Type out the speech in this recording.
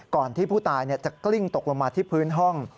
ก่อนที่ผู้ตายจะกลิ้งตกลงมาที่พื้นห้อง